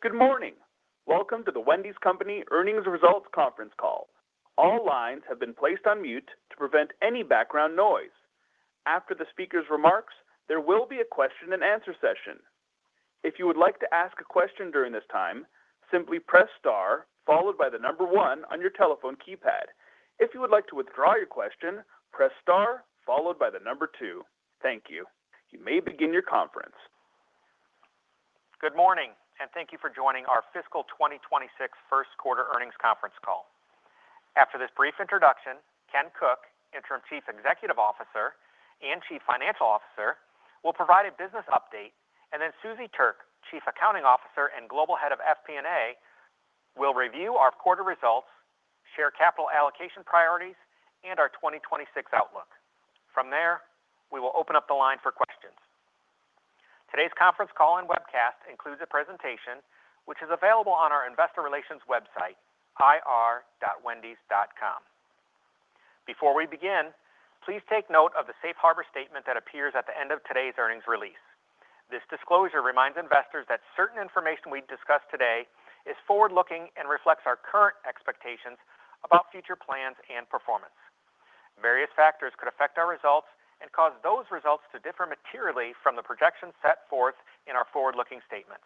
Good morning. Welcome to the Wendy's Company Earnings Results Conference Call. All lines have been placed on mute to prevent any background noise. After the speaker's remarks, there will be a question and answer session. If you would like to ask a question during this time, simply press star followed by the number one on your telephone keypad. If you would like to withdraw your question, press star followed by the number two. Thank you. You may begin your conference. Good morning, and thank you for joining our fiscal 2026 Q1 earnings conference call. After this brief introduction, Ken Cook, Interim Chief Executive Officer and Chief Financial Officer, will provide a business update. Suzie Thuerk, Chief Accounting Officer and Global Head of FP&A, will review our quarter results, share capital allocation priorities, and our 2026 outlook. From there, we will open up the line for questions. Today's conference call and webcast includes a presentation which is available on our investor relations website, ir.wendys.com. Before we begin, please take note of the safe harbor statement that appears at the end of today's earnings release. This disclosure reminds investors that certain information we discuss today is forward-looking and reflects our current expectations about future plans and performance. Various factors could affect our results and cause those results to differ materially from the projections set forth in our forward-looking statements.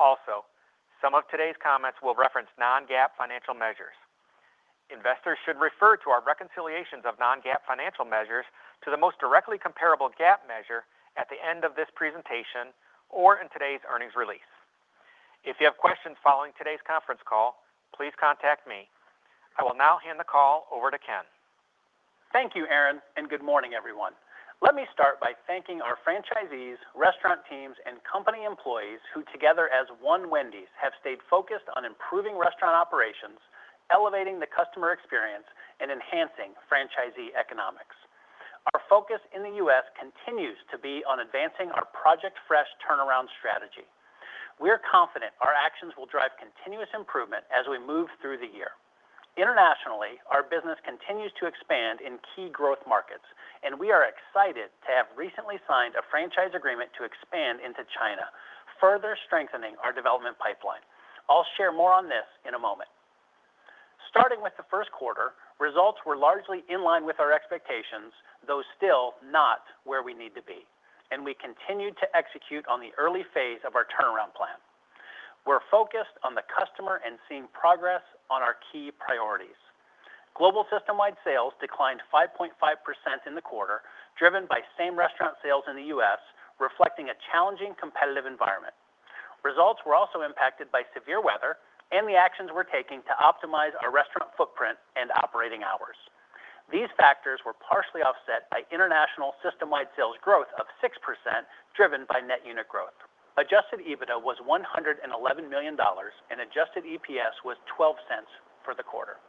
Also, some of today's comments will reference non-GAAP financial measures. Investors should refer to our reconciliations of non-GAAP financial measures to the most directly comparable GAAP measure at the end of this presentation or in today's earnings release. If you have questions following today's conference call, please contact me. I will now hand the call over to Ken. Thank you, Aaron. Good morning, everyone. Let me start by thanking our franchisees, restaurant teams, and company employees who together as One Wendy's have stayed focused on improving restaurant operations, elevating the customer experience, and enhancing franchisee economics. Our focus in the U.S. continues to be on advancing our Project Fresh turnaround strategy. We are confident our actions will drive continuous improvement as we move through the year. Internationally, our business continues to expand in key growth markets, and we are excited to have recently signed a franchise agreement to expand into China, further strengthening our development pipeline. I'll share more on this in a moment. Starting with the Q1, results were largely in line with our expectations, though still not where we need to be, and we continued to execute on the early phase of our turnaround plan. We're focused on the customer and seeing progress on our key priorities. Global system-wide sales declined 5.5% in the quarter, driven by same restaurant sales in the U.S., reflecting a challenging competitive environment. Results were also impacted by severe weather and the actions we're taking to optimize our restaurant footprint and operating hours. These factors were partially offset by international system-wide sales growth of 6%, driven by net unit growth. Adjusted EBITDA was $111 million, and adjusted EPS was $0.12 for the quarter.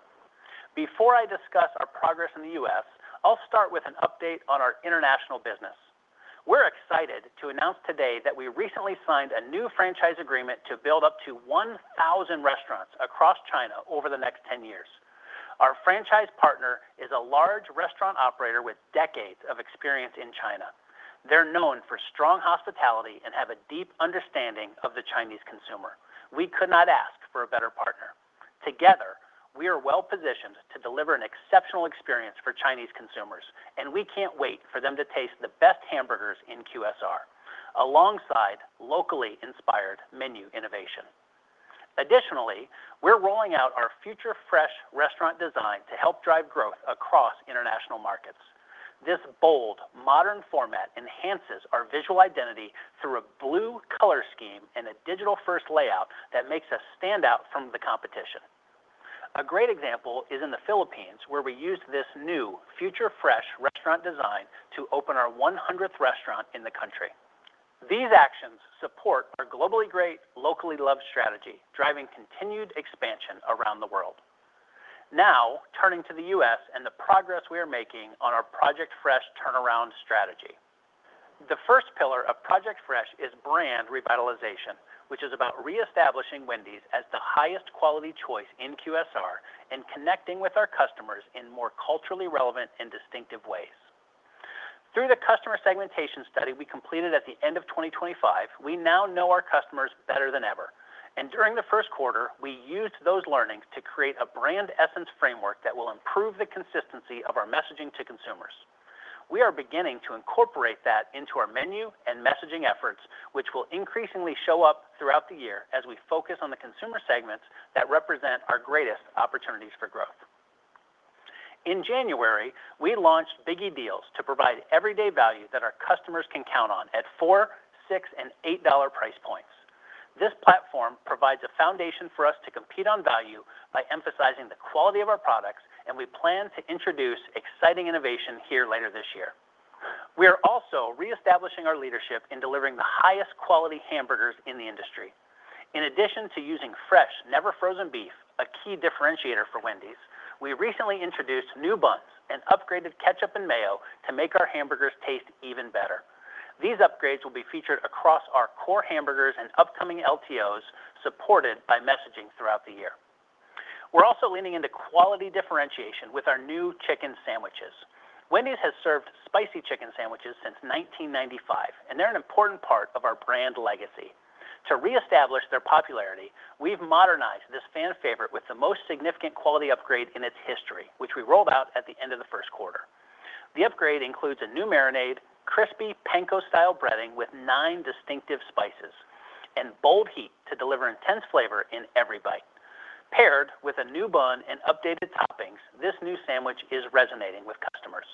Before I discuss our progress in the U.S., I'll start with an update on our international business. We're excited to announce today that we recently signed a new franchise agreement to build up to 1,000 restaurants across China over the next 10 years. Our franchise partner is a large restaurant operator with decades of experience in China. They're known for strong hospitality and have a deep understanding of the Chinese consumer. We could not ask for a better partner. Together, we are well-positioned to deliver an exceptional experience for Chinese consumers, and we can't wait for them to taste the best hamburgers in QSR, alongside locally inspired menu innovation. Additionally, we're rolling out our Future Fresh restaurant design to help drive growth across international markets. This bold, modern format enhances our visual identity through a blue color scheme and a digital-first layout that makes us stand out from the competition. A great example is in the Philippines, where we used this new Future Fresh restaurant design to open our 100th restaurant in the country. These actions support our globally great, locally loved strategy, driving continued expansion around the world. Now, turning to the U.S. and the progress we are making on our Project Fresh turnaround strategy. The first pillar of Project Fresh is brand revitalization, which is about reestablishing Wendy's as the highest quality choice in QSR and connecting with our customers in more culturally relevant and distinctive ways. Through the customer segmentation study we completed at the end of 2025, we now know our customers better than ever. During the Q1, we used those learnings to create a brand essence framework that will improve the consistency of our messaging to consumers. We are beginning to incorporate that into our menu and messaging efforts, which will increasingly show up throughout the year as we focus on the consumer segments that represent our greatest opportunities for growth. In January, we launched Biggie Deals to provide everyday value that our customers can count on at $4, $6, and $8 price points. This platform provides a foundation for us to compete on value by emphasizing the quality of our products, and we plan to introduce exciting innovation here later this year. We are also reestablishing our leadership in delivering the highest quality hamburgers in the industry. In addition to using fresh, never frozen beef, a key differentiator for Wendy's, we recently introduced new buns and upgraded ketchup and mayo to make our hamburgers taste even better. These upgrades will be featured across our core hamburgers and upcoming LTOs, supported by messaging throughout the year. We're also leaning into quality differentiation with our new chicken sandwiches. Wendy's has served Spicy Chicken Sandwiches since 1995, and they're an important part of our brand legacy. To reestablish their popularity, we've modernized this fan favorite with the most significant quality upgrade in its history, which we rolled out at the end of the Q1. The upgrade includes a new marinade, crispy panko-style breading with nine distinctive spices, and bold heat to deliver intense flavor in every bite. Paired with a new bun and updated toppings, this new sandwich is resonating with customers.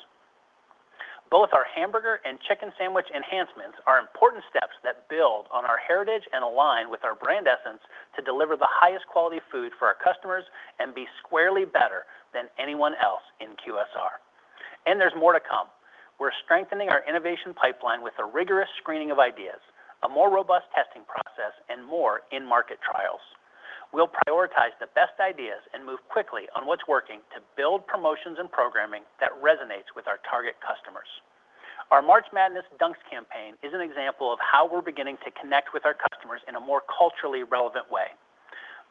Both our hamburger and chicken sandwich enhancements are important steps that build on our heritage and align with our brand essence to deliver the highest quality food for our customers and be squarely better than anyone else in QSR. There's more to come. We're strengthening our innovation pipeline with a rigorous screening of ideas, a more robust testing process, and more in-market trials. We'll prioritize the best ideas and move quickly on what's working to build promotions and programming that resonates with our target customers. Our March Madness dunks campaign is an example of how we're beginning to connect with our customers in a more culturally relevant way.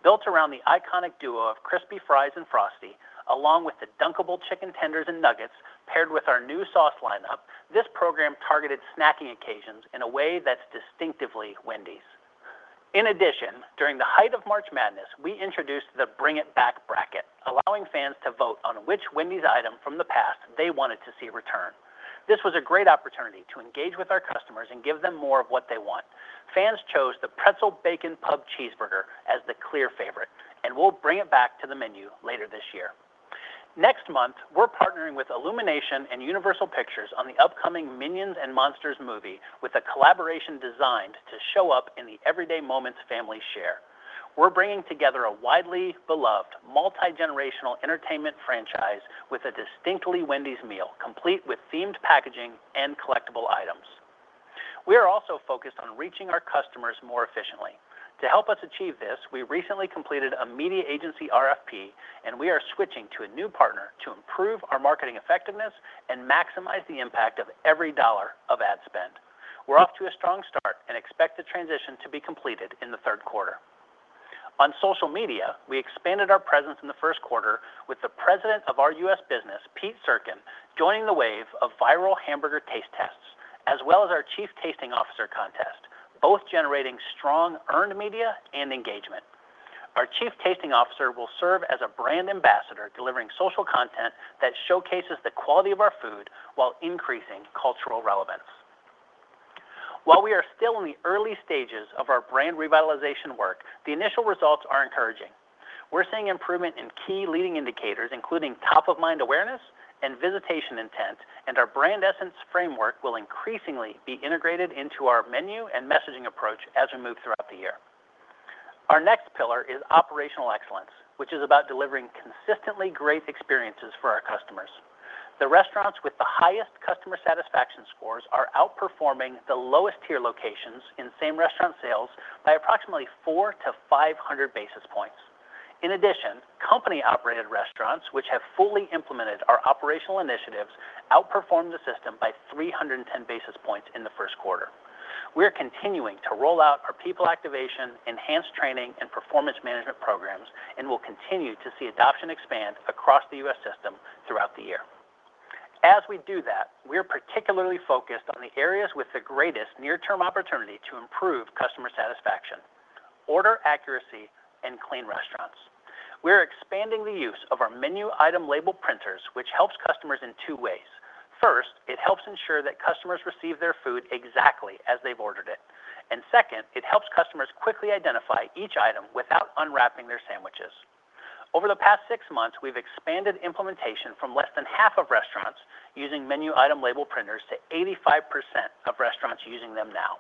Built around the iconic duo of crispy fries and Frosty, along with the dunkable chicken tenders and nuggets paired with our new sauce lineup, this program targeted snacking occasions in a way that's distinctively Wendy's. In addition, during the height of March Madness, we introduced the Bring It Back Bracket, allowing fans to vote on which Wendy's item from the past they wanted to see return. This was a great opportunity to engage with our customers and give them more of what they want. Fans chose the Pretzel Bacon Pub Cheeseburger as the clear favorite, and we'll bring it back to the menu later this year. Next month, we're partnering with Illumination and Universal Pictures on the upcoming Minions & Monsters movie with a collaboration designed to show up in the everyday moments families share. We're bringing together a widely beloved multi-generational entertainment franchise with a distinctly Wendy's meal, complete with themed packaging and collectible items. We are also focused on reaching our customers more efficiently. To help us achieve this, we recently completed a media agency RFP, and we are switching to a new partner to improve our marketing effectiveness and maximize the impact of every dollar of ad spend. We're off to a strong start and expect the transition to be completed in the Q3. On social media, we expanded our presence in the Q1 with the President of our U.S. business, Pete Suerken, joining the wave of viral hamburger taste tests, as well as our Chief Tasting Officer contest, both generating strong earned media and engagement. Our Chief Tasting Officer will serve as a brand ambassador, delivering social content that showcases the quality of our food while increasing cultural relevance. While we are still in the early stages of our brand revitalization work, the initial results are encouraging. We're seeing improvement in key leading indicators, including top of mind awareness and visitation intent, our brand essence framework will increasingly be integrated into our menu and messaging approach as we move throughout the year. Our next pillar is operational excellence, which is about delivering consistently great experiences for our customers. The restaurants with the highest customer satisfaction scores are outperforming the lowest tier locations in same restaurant sales by approximately 400 to 500 basis points. In addition, company operated restaurants, which have fully implemented our operational initiatives, outperformed the system by 310 basis points in the Q1. We are continuing to roll out our people activation, enhanced training, and performance management programs and will continue to see adoption expand across the U.S. system throughout the year. As we do that, we are particularly focused on the areas with the greatest near-term opportunity to improve customer satisfaction, order accuracy, and clean restaurants. We are expanding the use of our menu item label printers, which helps customers in two ways. First, it helps ensure that customers receive their food exactly as they've ordered it. Second, it helps customers quickly identify each item without unwrapping their sandwiches. Over the past six months, we've expanded implementation from less than half of restaurants using menu item label printers to 85% of restaurants using them now.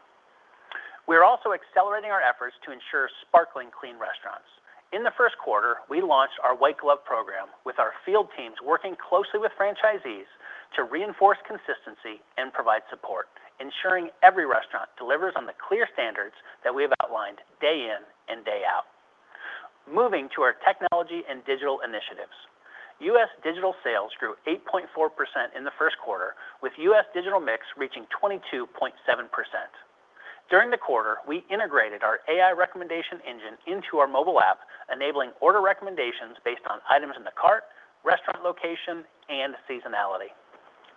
We are also accelerating our efforts to ensure sparkling clean restaurants. In the Q1, we launched our White Glove program with our field teams working closely with franchisees to reinforce consistency and provide support, ensuring every restaurant delivers on the clear standards that we have outlined day in and day out. Moving to our technology and digital initiatives. U.S. digital sales grew 8.4% in the Q1, with U.S. digital mix reaching 22.7%. During the quarter, we integrated our AI recommendation engine into our mobile app, enabling order recommendations based on items in the cart, restaurant location, and seasonality.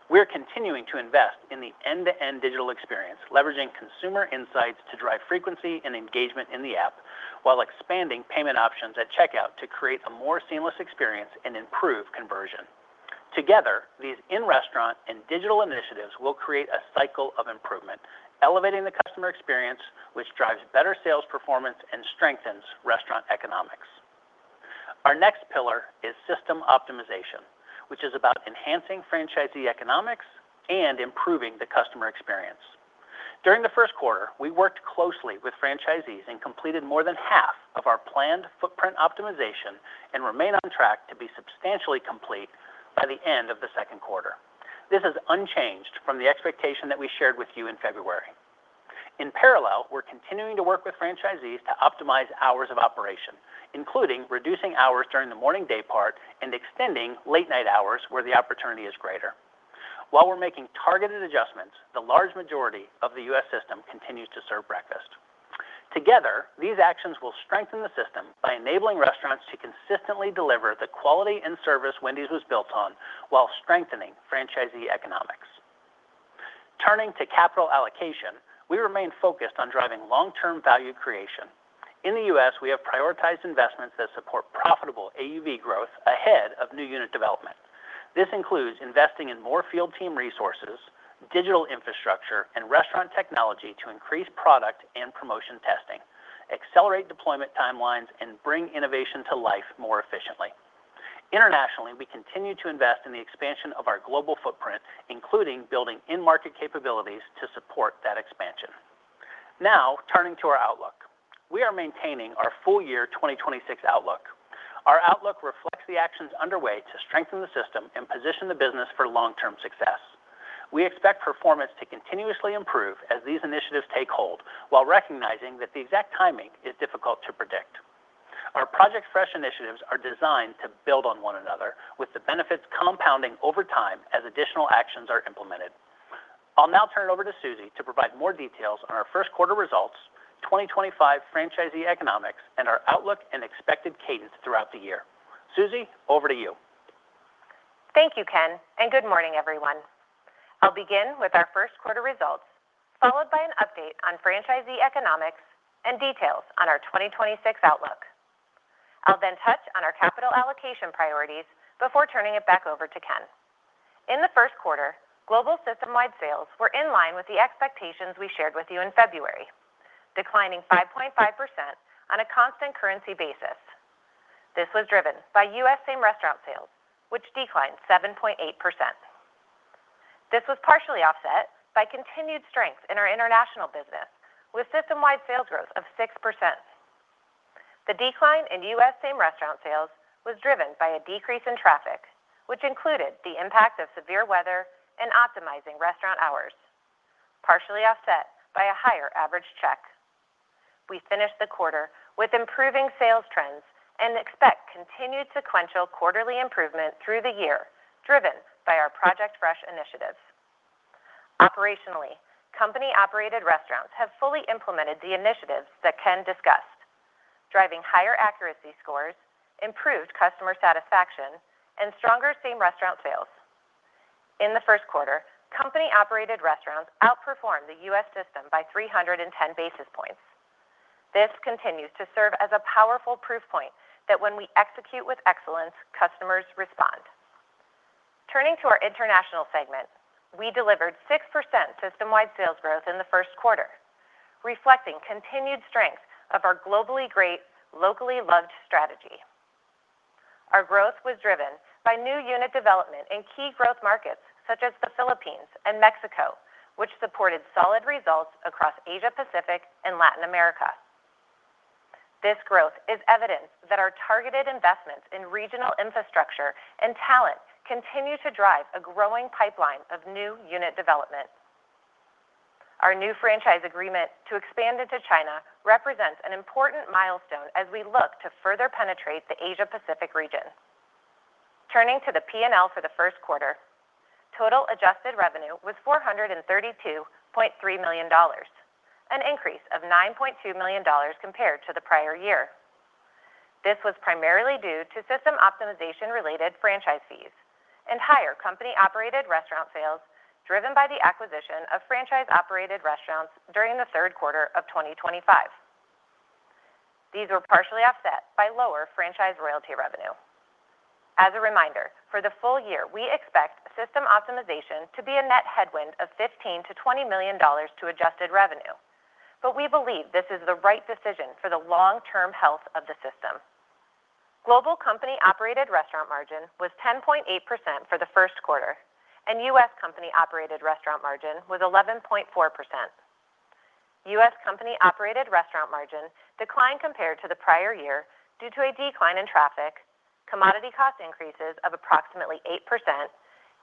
We are continuing to invest in the end-to-end digital experience, leveraging consumer insights to drive frequency and engagement in the app while expanding payment options at checkout to create a more seamless experience and improve conversion. Together, these in-restaurant and digital initiatives will create a cycle of improvement, elevating the customer experience, which drives better sales performance and strengthens restaurant economics. Our next pillar is system optimization, which is about enhancing franchisee economics and improving the customer experience. During the Q1, we worked closely with franchisees and completed more than half of our planned footprint optimization and remain on track to be substantially complete by the end of the Q2. This is unchanged from the expectation that we shared with you in February. In parallel, we're continuing to work with franchisees to optimize hours of operation, including reducing hours during the morning daypart and extending late night hours where the opportunity is greater. While we're making targeted adjustments, the large majority of the U.S. system continues to serve breakfast. Together, these actions will strengthen the system by enabling restaurants to consistently deliver the quality and service Wendy's was built on while strengthening franchisee economics. Turning to capital allocation, we remain focused on driving long-term value creation. In the U.S., we have prioritized investments that support profitable AUV growth ahead of new unit development. This includes investing in more field team resources, digital infrastructure, and restaurant technology to increase product and promotion testing, accelerate deployment timelines, and bring innovation to life more efficiently. Internationally, we continue to invest in the expansion of our global footprint, including building in-market capabilities to support that expansion. Turning to our outlook. We are maintaining our full year 2026 outlook. Our outlook reflects the actions underway to strengthen the system and position the business for long-term success. We expect performance to continuously improve as these initiatives take hold while recognizing that the exact timing is difficult to predict. Our Project Fresh initiatives are designed to build on one another with the benefits compounding over time as additional actions are implemented. I'll now turn it over to Suzie to provide more details on our Q1 results, 2025 franchisee economics, and our outlook and expected cadence throughout the year. Suzie, over to you. Thank you, Ken. Good morning, everyone. I'll begin with our Q1 results, followed by an update on franchisee economics and details on our 2026 outlook. I'll touch on our capital allocation priorities before turning it back over to Ken. In the Q1, global system-wide sales were in line with the expectations we shared with you in February, declining 5.5% on a constant currency basis. This was driven by U.S. same-restaurant sales, which declined 7.8%. This was partially offset by continued strength in our international business, with system-wide sales growth of 6%. The decline in U.S. same-restaurant sales was driven by a decrease in traffic, which included the impact of severe weather and optimizing restaurant hours, partially offset by a higher average check. We finished the quarter with improving sales trends and expect continued sequential quarterly improvement through the year, driven by our Project Fresh initiatives. Operationally, company-operated restaurants have fully implemented the initiatives that Ken Cook discussed, driving higher accuracy scores, improved customer satisfaction, and stronger same-restaurant sales. In the Q1, company-operated restaurants outperformed the U.S. system by 310 basis points. This continues to serve as a powerful proof point that when we execute with excellence, customers respond. Turning to our international segment, we delivered 6% system-wide sales growth in the Q1, reflecting continued strength of our globally great, locally loved strategy. Our growth was driven by new unit development in key growth markets, such as the Philippines and Mexico, which supported solid results across Asia Pacific and Latin America. This growth is evidence that our targeted investments in regional infrastructure and talent continue to drive a growing pipeline of new unit development. Our new franchise agreement to expand into China represents an important milestone as we look to further penetrate the Asia Pacific region. Turning to the P&L for the Q1, total adjusted revenue was $432.3 million, an increase of $9.2 million compared to the prior year. This was primarily due to system optimization-related franchise fees and higher company-operated restaurant sales driven by the acquisition of franchise-operated restaurants during the Q3 of 2025. These were partially offset by lower franchise royalty revenue. As a reminder, for the full year, we expect system optimization to be a net headwind of $15 million-$20 million to adjusted revenue, but we believe this is the right decision for the long-term health of the system. Global company-operated restaurant margin was 10.8% for the Q1, and U.S. company-operated restaurant margin was 11.4%. U.S. company-operated restaurant margin declined compared to the prior year due to a decline in traffic, commodity cost increases of approximately 8%,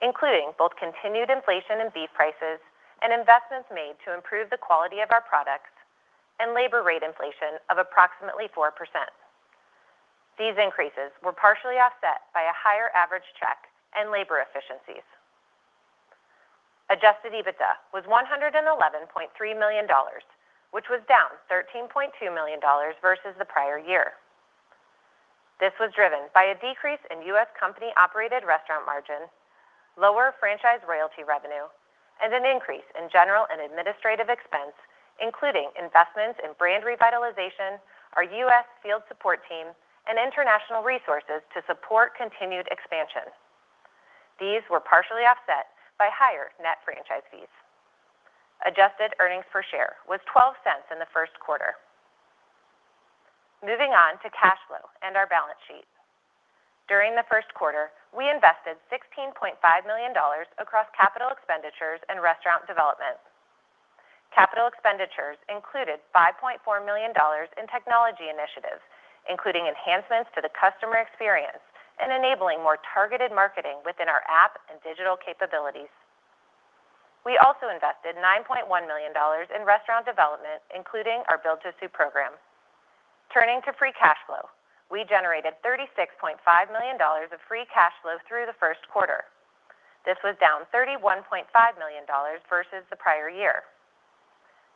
including both continued inflation in beef prices and investments made to improve the quality of our products, and labor rate inflation of approximately 4%. These increases were partially offset by a higher average check and labor efficiencies. Adjusted EBITDA was $111.3 million, which was down $13.2 million versus the prior year. This was driven by a decrease in U.S. company-operated restaurant margin, lower franchise royalty revenue, and an increase in general and administrative expense, including investments in brand revitalization, our U.S. field support team, and international resources to support continued expansion. These were partially offset by higher net franchise fees. Adjusted earnings per share was $0.12 in the Q1. Moving on to cash flow and our balance sheet. During the Q1, we invested $16.5 million across capital expenditures and restaurant development. Capital expenditures included $5.4 million in technology initiatives, including enhancements to the customer experience and enabling more targeted marketing within our app and digital capabilities. We also invested $9.1 million in restaurant development, including our build-to-suit program. Turning to free cash flow, we generated $36.5 million of free cash flow through the Q1. This was down $31.5 million versus the prior year.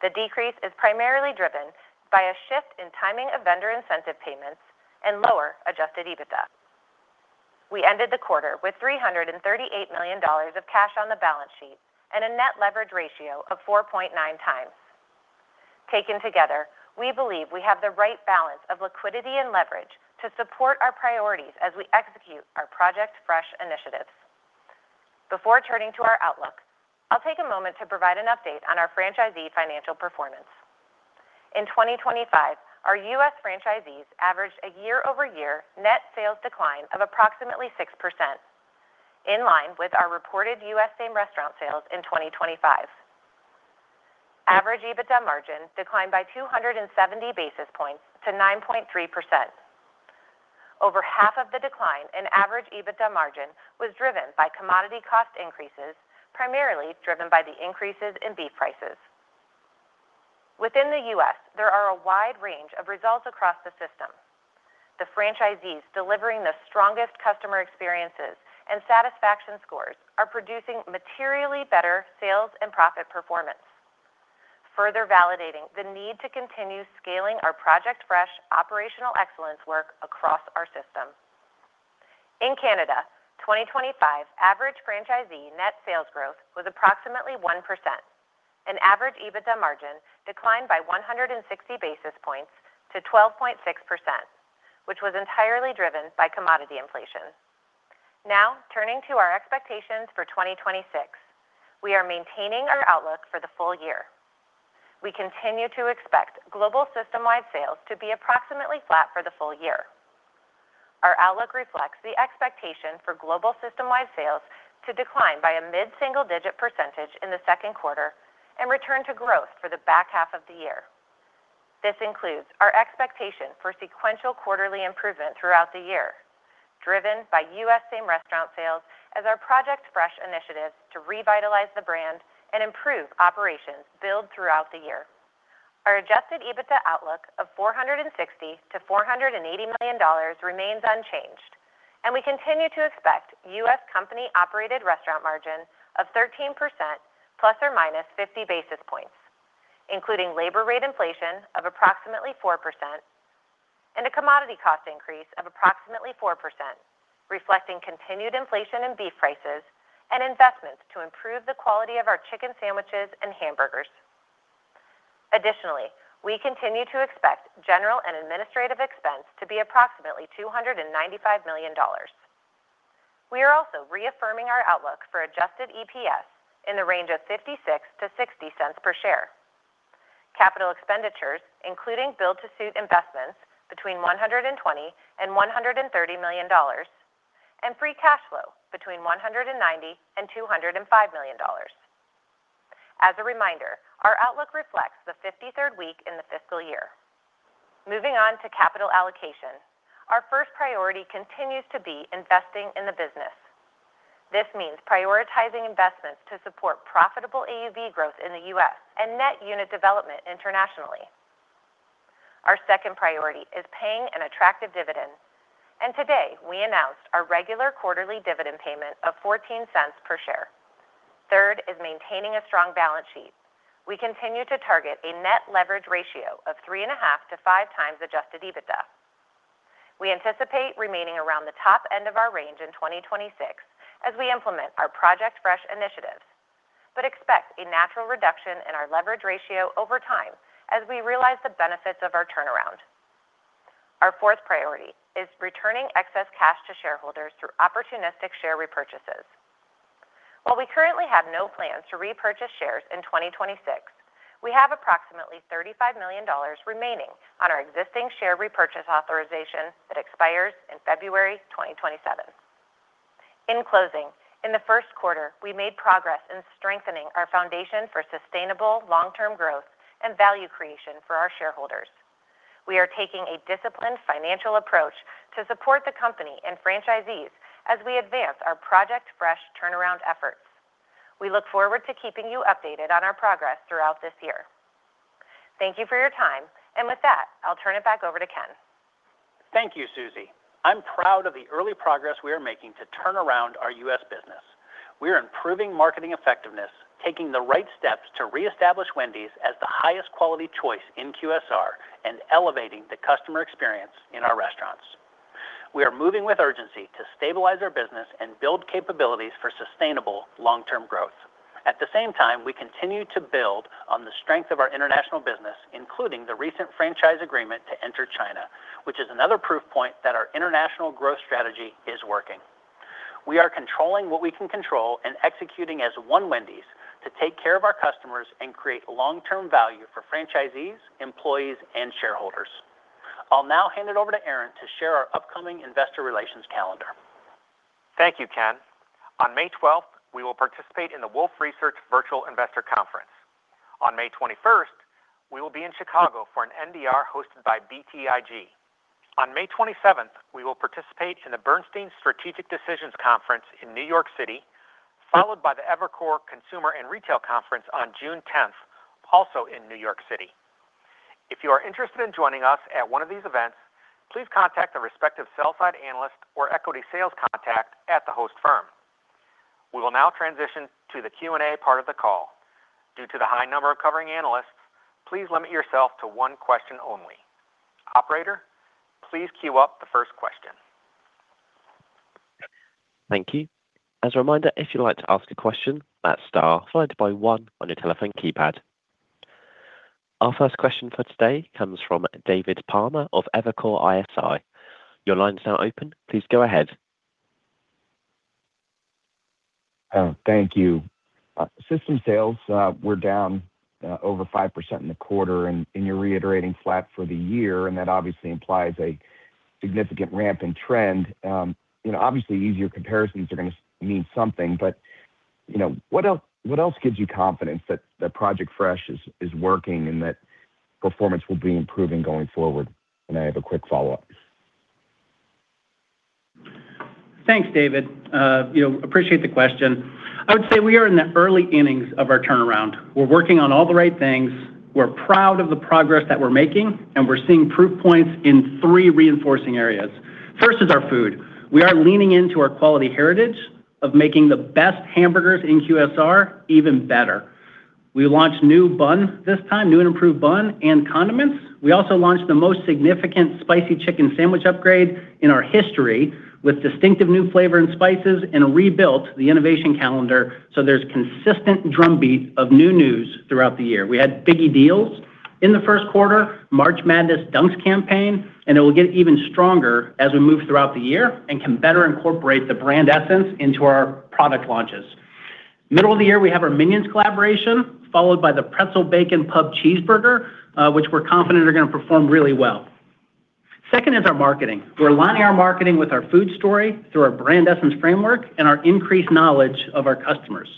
The decrease is primarily driven by a shift in timing of vendor incentive payments and lower adjusted EBITDA. We ended the quarter with $338 million of cash on the balance sheet and a net leverage ratio of 4.9 times. Taken together, we believe we have the right balance of liquidity and leverage to support our priorities as we execute our Project Fresh initiatives. Before turning to our outlook, I'll take a moment to provide an update on our franchisee financial performance. In 2025, our U.S. franchisees averaged a year-over-year net sales decline of approximately 6%, in line with our reported U.S. same restaurant sales in 2025. Average EBITDA margin declined by 270 basis points to 9.3%. Over half of the decline in average EBITDA margin was driven by commodity cost increases, primarily driven by the increases in beef prices. Within the U.S., there are a wide range of results across the system. The franchisees delivering the strongest customer experiences and satisfaction scores are producing materially better sales and profit performance, further validating the need to continue scaling our Project Fresh operational excellence work across our system. In Canada, 2025 average franchisee net sales growth was approximately 1% and average EBITDA margin declined by 160 basis points to 12.6%, which was entirely driven by commodity inflation. Now turning to our expectations for 2026. We are maintaining our outlook for the full year. We continue to expect global system-wide sales to be approximately flat for the full year. Our outlook reflects the expectation for global system-wide sales to decline by a mid-single digit % in the Q2 and return to growth for the back half of the year. This includes our expectation for sequential quarterly improvement throughout the year, driven by U.S. same restaurant sales as our Project Fresh initiative to revitalize the brand and improve operations build throughout the year. Our adjusted EBITDA outlook of $460 million-$480 million remains unchanged, and we continue to expect U.S. company-operated restaurant margin of 13% ±50 basis points, including labor rate inflation of approximately 4% and a commodity cost increase of approximately 4%, reflecting continued inflation in beef prices and investments to improve the quality of our chicken sandwiches and hamburgers. Additionally, we continue to expect general and administrative expense to be approximately $295 million. We are also reaffirming our outlook for adjusted EPS in the range of $0.56-$0.60 per share. Capital expenditures, including build-to-suit investments between $120 million and $130 million and free cash flow between $190 million and $205 million. As a reminder, our outlook reflects the 53rd week in the fiscal year. Moving on to capital allocation. Our first priority continues to be investing in the business. This means prioritizing investments to support profitable AUV growth in the U.S. and net unit development internationally. Our second priority is paying an attractive dividend. Today, we announced our regular quarterly dividend payment of $0.14 per share. Third is maintaining a strong balance sheet. We continue to target a net leverage ratio of 3.5 to 5x adjusted EBITDA. We anticipate remaining around the top end of our range in 2026 as we implement our Project Fresh initiatives, expect a natural reduction in our leverage ratio over time as we realize the benefits of our turnaround. Our 4th priority is returning excess cash to shareholders through opportunistic share repurchases. While we currently have no plans to repurchase shares in 2026, we have approximately $35 million remaining on our existing share repurchase authorization that expires in February 2027. In closing, in the Q1, we made progress in strengthening our foundation for sustainable long-term growth and value creation for our shareholders. We are taking a disciplined financial approach to support the company and franchisees as we advance our Project Fresh turnaround efforts. We look forward to keeping you updated on our progress throughout this year. Thank you for your time, and with that, I'll turn it back over to Ken. Thank you, Suzie. I'm proud of the early progress we are making to turn around our U.S. business. We are improving marketing effectiveness, taking the right steps to reestablish Wendy's as the highest quality choice in QSR and elevating the customer experience in our restaurants. We are moving with urgency to stabilize our business and build capabilities for sustainable long-term growth. At the same time, we continue to build on the strength of our international business, including the recent franchise agreement to enter China, which is another proof point that our international growth strategy is working. We are controlling what we can control and executing as One Wendy's to take care of our customers and create long-term value for franchisees, employees, and shareholders. I'll now hand it over to Aaron to share our upcoming investor relations calendar. Thank you, Ken. On 12 May, we will participate in the Wolfe Research Virtual Investor Conference. On 21 May, we will be in Chicago for an NDR hosted by BTIG. On 27 May, we will participate in the Bernstein Strategic Decisions Conference in New York City, followed by the Evercore Consumer and Retail Conference on 10 June, also in New York City. If you are interested in joining us at one of these events, please contact the respective sell side analyst or equity sales contact at the host firm. We will now transition to the Q&A part of the call. Due to the high number of covering analysts, please limit yourself to one question only. Operator, please queue up the first question. Thank you. As a reminder, if you would like to ask a question, press star followed by the one on your telephone keypad. Our first question for today comes from David Palmer of Evercore ISI. Thank you. System sales were down over 5% in the quarter and you're reiterating flat for the year, and that obviously implies a significant ramp in trend. You know, obviously easier comparisons are gonna mean something, but, you know, what else gives you confidence that Project Fresh is working and that performance will be improving going forward? I have a quick follow-up. Thanks, David. You know, appreciate the question. I would say we are in the early innings of our turnaround. We're working on all the right things. We're proud of the progress that we're making. We're seeing proof points in three reinforcing areas. First is our food. We are leaning into our quality heritage of making the best hamburgers in QSR even better. We launched new bun this time, new and improved bun and condiments. We also launched the most significant Spicy Chicken Sandwich upgrade in our history with distinctive new flavor and spices. We rebuilt the innovation calendar so there's consistent drumbeat of new news throughout the year. We had Biggie Deals in the Q1, March Madness Dunks campaign. It will get even stronger as we move throughout the year and can better incorporate the brand essence into our product launches. Middle of the year, we have our Minions collaboration, followed by the Pretzel Bacon Pub Cheeseburger, which we're confident are going to perform really well. Second is our marketing. We're aligning our marketing with our food story through our brand essence framework and our increased knowledge of our customers.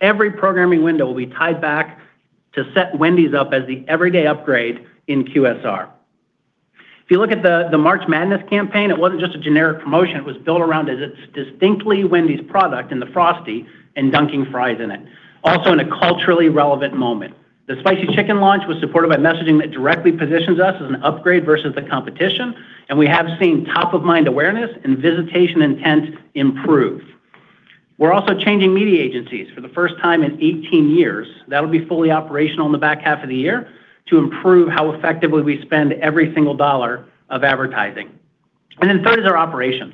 Every programming window will be tied back to set Wendy's up as the everyday upgrade in QSR. If you look at the March Madness campaign, it wasn't just a generic promotion. It was built around as it's distinctly Wendy's product and the Frosty and dunking fries in it, also in a culturally relevant moment. The Spicy Chicken launch was supported by messaging that directly positions us as an upgrade versus the competition, and we have seen top of mind awareness and visitation intent improve. We're also changing media agencies for the first time in 18 years. That'll be fully operational in the H2 of the year to improve how effectively we spend every single dollar of advertising. Third is our operations.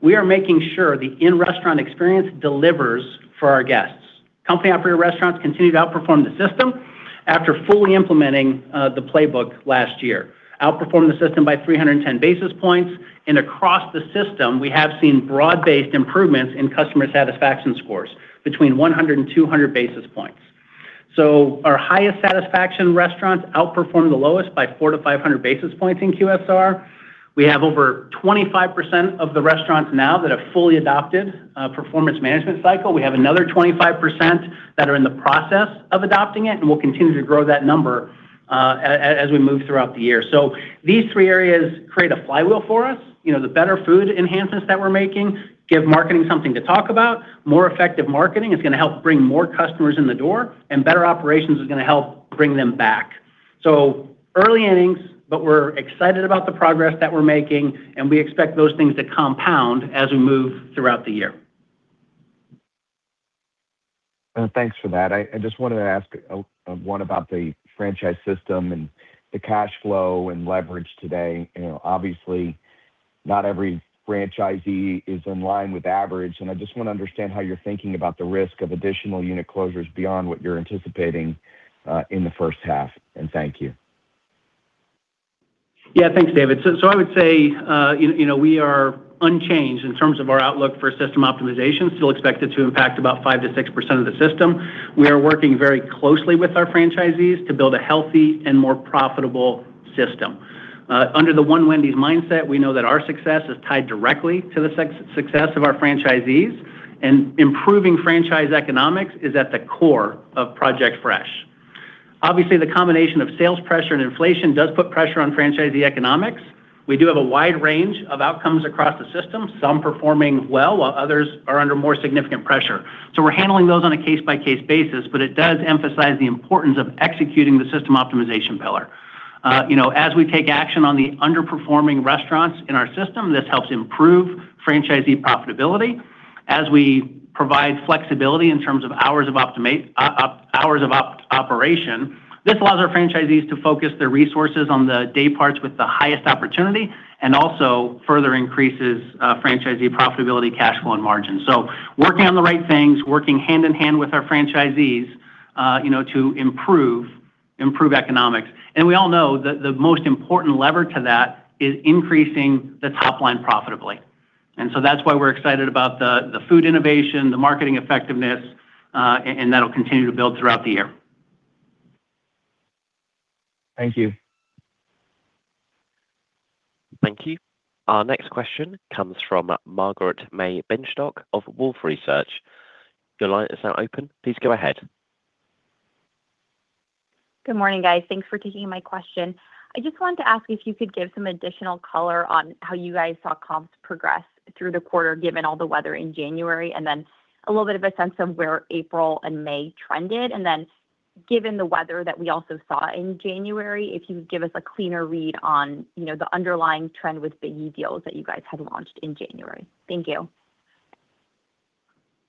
We are making sure the in-restaurant experience delivers for our guests. Company-operated restaurants continue to outperform the system after fully implementing the playbook last year. Outperformed the system by 310 basis points. Across the system, we have seen broad-based improvements in customer satisfaction scores between 100 and 200 basis points. Our highest satisfaction restaurants outperform the lowest by 400-500 basis points in QSR. We have over 25% of the restaurants now that have fully adopted a performance management cycle. We have another 25% that are in the process of adopting it, and we'll continue to grow that number as we move throughout the year. These three areas create a flywheel for us. You know, the better food enhancements that we're making give marketing something to talk about. More effective marketing is gonna help bring more customers in the door, and better operations is gonna help bring them back. Early innings, but we're excited about the progress that we're making, and we expect those things to compound as we move throughout the year. Thanks for that. I just wanted to ask one about the franchise system and the cash flow and leverage today. You know, obviously, not every franchisee is in line with average, and I just wanna understand how you're thinking about the risk of additional unit closures beyond what you're anticipating in the H1, and thank you. Yeah. Thanks, David. I would say, you know, we are unchanged in terms of our outlook for system optimization, still expect it to impact about 5%-6% of the system. We are working very closely with our franchisees to build a healthy and more profitable system. Under the One Wendy's mindset, we know that our success is tied directly to the success of our franchisees, improving franchise economics is at the core of Project Fresh. Obviously, the combination of sales pressure and inflation does put pressure on franchisee economics. We do have a wide range of outcomes across the system, some performing well while others are under more significant pressure. We're handling those on a case-by-case basis, it does emphasize the importance of executing the system optimization pillar. You know, as we take action on the underperforming restaurants in our system, this helps improve franchisee profitability. As we provide flexibility in terms of hours of operation, this allows our franchisees to focus their resources on the day parts with the highest opportunity and also further increases franchisee profitability, cash flow, and margin. Working on the right things, working hand in hand with our franchisees, you know, to improve economics. We all know that the most important lever to that is increasing the top line profitably. That's why we're excited about the food innovation, the marketing effectiveness, and that'll continue to build throughout the year. Thank you. Thank you. Our next question comes from Margaret-May Binshtok of Wolfe Research. Your line is now open. Please go ahead. Good morning, guys. Thanks for taking my question. I just wanted to ask if you could give some additional color on how you guys saw comps progress through the quarter, given all the weather in January, a little bit of a sense of where April and May trended. Given the weather that we also saw in January, if you could give us a cleaner read on, you know, the underlying trend with Biggie Deals that you guys had launched in January. Thank you.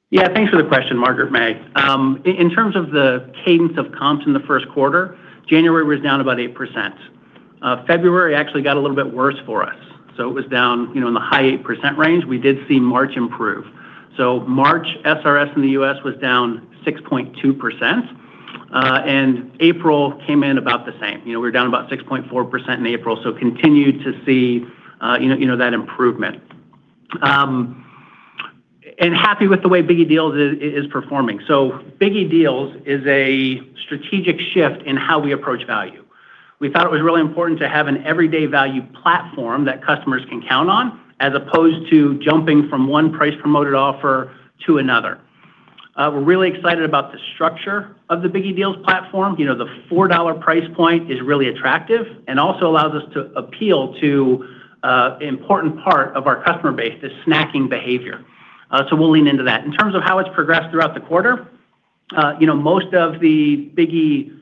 Yeah. Thanks for the question, Margaret-May. In terms of the cadence of comps in the Q1, January was down about 8%. February actually got a little bit worse for us. It was down, you know, in the high 8% range. We did see March improve. March, SRS in the U.S. was down 6.2%. April came in about the same. You know, we're down about 6.4% in April. Continued to see, you know, that improvement. Happy with the way Biggie Deals is performing. Biggie Deals is a strategic shift in how we approach value. We thought it was really important to have an everyday value platform that customers can count on as opposed to jumping from one price promoted offer to another. We're really excited about the structure of the Biggie Deals platform. You know, the $4 price point is really attractive and also allows us to appeal to important part of our customer base, the snacking behavior. We'll lean into that. In terms of how it's progressed throughout the quarter, you know, most of the Biggie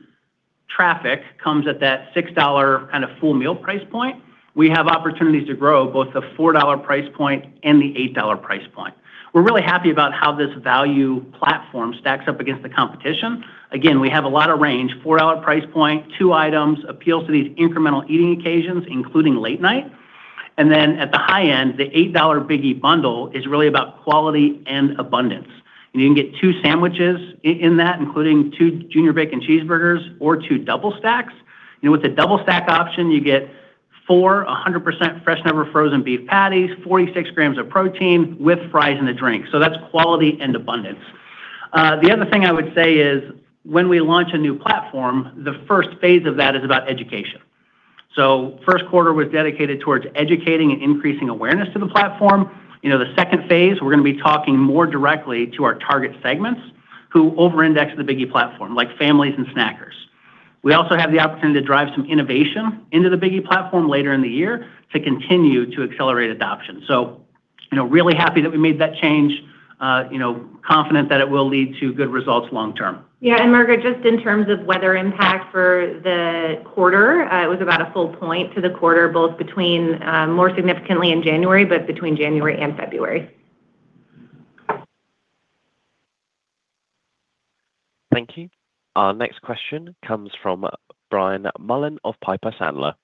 traffic comes at that $6 kind of full meal price point. We have opportunities to grow both the $4 price point and the $8 price point. We're really happy about how this value platform stacks up against the competition. Again, we have a lot of range. $4 price point, two items, appeals to these incremental eating occasions, including late night. At the high end, the $8 Biggie bundle is really about quality and abundance. You can get two sandwiches in that, including two Junior Bacon Cheeseburgers or two Double Stacks. You know, with the Double Stack option, you get 400% fresh, never frozen beef patties, 46 grams of protein with fries and a drink. That's quality and abundance. The other thing I would say is when we launch a new platform, the first phase of that is about education. Q1 was dedicated towards educating and increasing awareness to the platform. You know, the second phase, we're gonna be talking more directly to our target segments who over-index the Biggie platform, like families and snackers. We also have the opportunity to drive some innovation into the Biggie platform later in the year to continue to accelerate adoption. You know, really happy that we made that change. You know, confident that it will lead to good results long term. Yeah. Margaret, just in terms of weather impact for the quarter, it was about one full point to the quarter, both between, more significantly in January, but between January and February. Thank you. Our next question comes from Brian Mullan of Piper Sandler.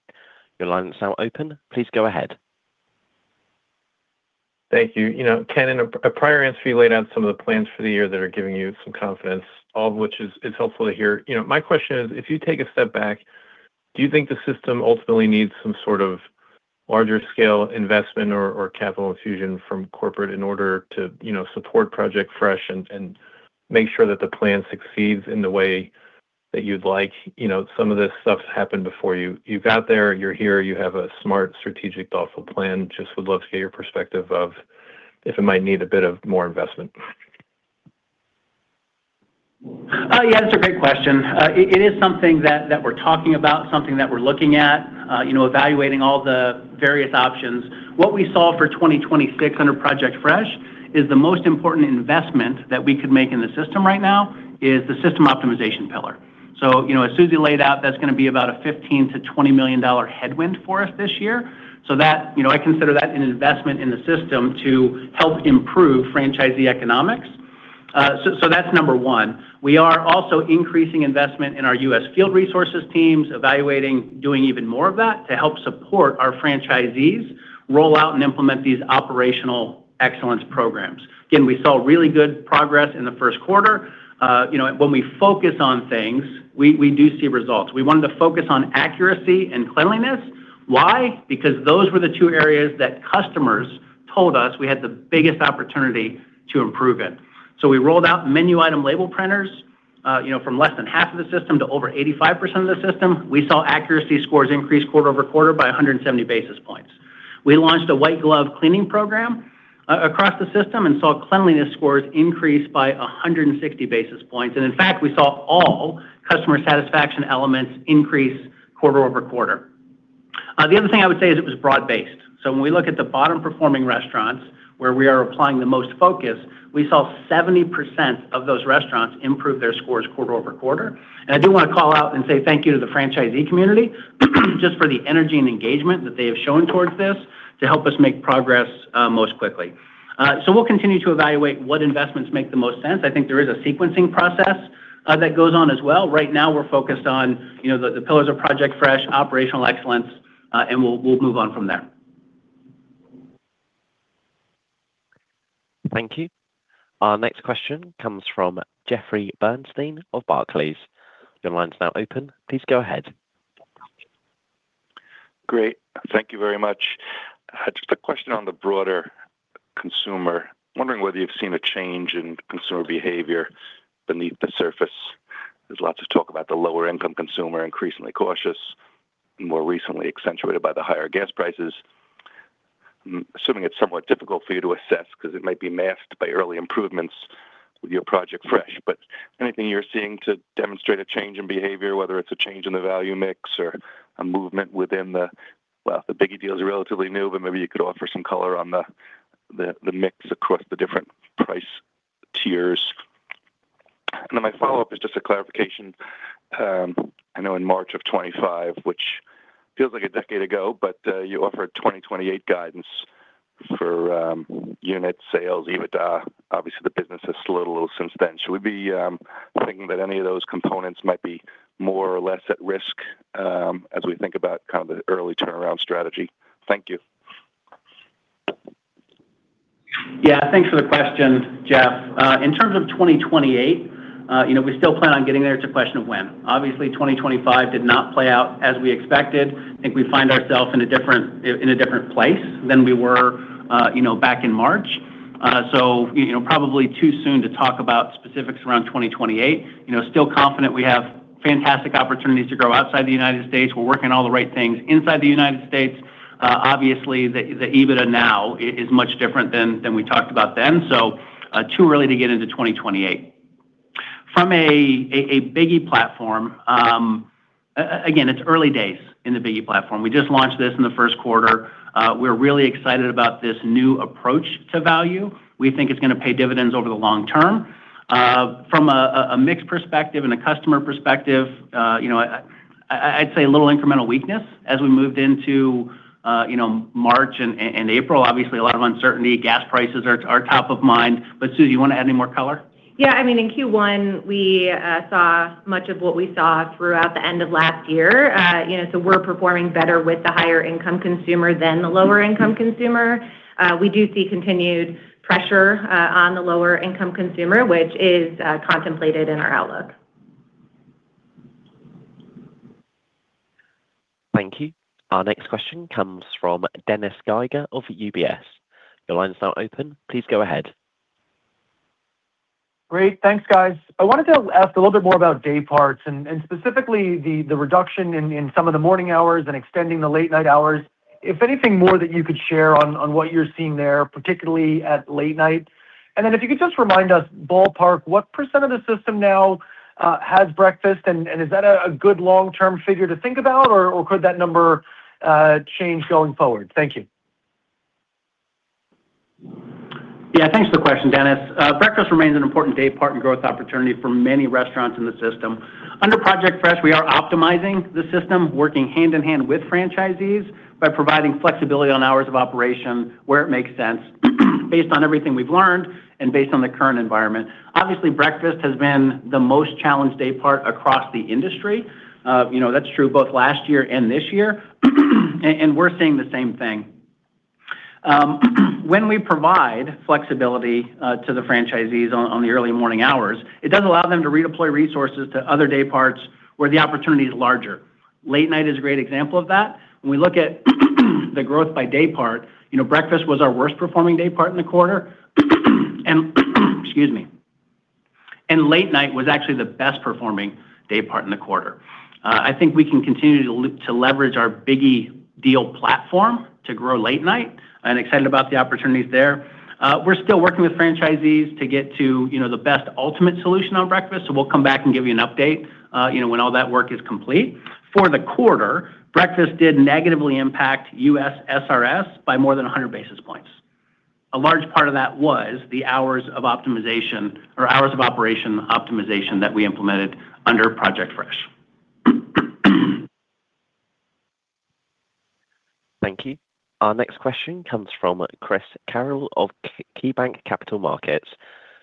Your line is now open. Please go ahead. Thank you. You know, Ken, in a prior answer, you laid out some of the plans for the year that are giving you some confidence, all of which is helpful to hear. You know, my question is, if you take a step back, do you think the system ultimately needs some sort of larger scale investment or capital infusion from corporate in order to, you know, support Project Fresh and make sure that the plan succeeds in the way that you'd like? You know, some of this stuff's happened before you. You got there, you're here, you have a smart, strategic, thoughtful plan. Just would love to get your perspective of if it might need a bit of more investment. Yeah, that's a great question. It is something that we're talking about, something that we're looking at, you know, evaluating all the various options. What we saw for 2026 under Project Fresh is the most important investment that we could make in the system right now is the system optimization pillar. You know, as Suzie laid out, that's gonna be about a $15 million-$20 million headwind for us this year. That, you know, I consider that an investment in the system to help improve franchisee economics. So that's number 1. We are also increasing investment in our U.S. field resources teams, evaluating doing even more of that to help support our franchisees roll out and implement these operational excellence programs. Again, we saw really good progress in the Q1. You know, when we focus on things, we do see results. We wanted to focus on accuracy and cleanliness. Why? Those were the two areas that customers told us we had the biggest opportunity to improve in. We rolled out menu item label printers, you know, from less than half of the system to over 85% of the system. We saw accuracy scores increase quarter over quarter by 170 basis points. We launched a White Glove cleaning program across the system and saw cleanliness scores increase by 160 basis points. In fact, we saw all customer satisfaction elements increase quarter over quarter. The other thing I would say is it was broad-based. When we look at the bottom performing restaurants where we are applying the most focus, we saw 70% of those restaurants improve their scores quarter-over-quarter. I do want to call out and say thank you to the franchisee community just for the energy and engagement that they have shown towards this to help us make progress most quickly. We'll continue to evaluate what investments make the most sense. I think there is a sequencing process that goes on as well. Right now we're focused on, you know, the pillars of Project Fresh, operational excellence, and we'll move on from there. Thank you. Our next question comes from Jeffrey Bernstein of Barclays. Your line is now open. Please go ahead. Great. Thank you very much. Just one question on the broader consumer. Wondering whether you've seen a change in consumer behavior beneath the surface. There's lots of talk about the lower income consumer, increasingly cautious, more recently accentuated by the higher gas prices. I'm assuming it's somewhat difficult for you to assess because it might be masked by early improvements with your Project Fresh. Anything you're seeing to demonstrate a change in behavior, whether it's a change in the value mix or a movement within the Well, the Biggie Deals is relatively new, but maybe you could offer some color on the mix across the different price tiers. My follow-up is just a clarification. I know in March of 2025, which feels like a decade ago, but you offered 2028 guidance for unit sales, EBITDA. Obviously, the business has slowed a little since then. Should we be thinking that any of those components might be more or less at risk as we think about kind of the early turnaround strategy? Thank you. Yeah, thanks for the question, Jeff. In terms of 2028, you know, we still plan on getting there. It's a question of when. Obviously, 2025 did not play out as we expected. I think we find ourselves in a different, in a different place than we were, you know, back in March. You know, probably too soon to talk about specifics around 2028. You know, still confident we have fantastic opportunities to grow outside the U.S. We're working all the right things inside the U.S. Obviously, the EBITDA now is much different than we talked about then, so too early to get into 2028. From a Biggie Deals platform, again, it's early days in the Biggie Deals platform. We just launched this in the Q1. We're really excited about this new approach to value. We think it's gonna pay dividends over the long term. From a mix perspective and a customer perspective, you know, I'd say a little incremental weakness as we moved into, you know, March and April. Obviously, a lot of uncertainty. Gas prices are top of mind. Suzie, you wanna add any more color? Yeah, I mean, in Q1, we saw much of what we saw throughout the end of last year. You know, we're performing better with the higher income consumer than the lower income consumer. We do see continued pressure on the lower income consumer, which is contemplated in our outlook. Thank you. Our next question comes from Dennis Geiger of UBS. Your line's now open. Please go ahead. Great. Thanks, guys. I wanted to ask a little bit more about day parts and specifically the reduction in some of the morning hours and extending the late night hours. If anything more that you could share on what you're seeing there, particularly at late night. Then if you could just remind us ballpark, what % of the system now has breakfast? Is that a good long-term figure to think about? Could that number change going forward? Thank you. Yeah, thanks for the question, Dennis. Breakfast remains an important day part and growth opportunity for many restaurants in the system. Under Project Fresh, we are optimizing the system, working hand in hand with franchisees by providing flexibility on hours of operation where it makes sense based on everything we've learned and based on the current environment. Obviously, breakfast has been the most challenged day part across the industry. You know, that's true both last year and this year. We're seeing the same thing. When we provide flexibility to the franchisees on the early morning hours, it does allow them to redeploy resources to other day parts where the opportunity is larger. Late night is a great example of that. When we look at the growth by day part, you know, breakfast was our worst performing day part in the quarter. Excuse me. Late night was actually the best performing daypart in the quarter. I think we can continue to leverage our Biggie Deals platform to grow late night, and excited about the opportunities there. We're still working with franchisees to get to, you know, the best ultimate solution on breakfast, so we'll come back and give you an update, you know, when all that work is complete. For the quarter, breakfast did negatively impact U.S. SRS by more than 100 basis points. A large part of that was the hours of optimization or hours of operation optimization that we implemented under Project Fresh. Thank you. Our next question comes from Chris Carril of KeyBanc Capital Markets.